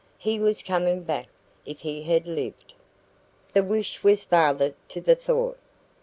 He was coming back, if he had lived." The wish was father to the thought.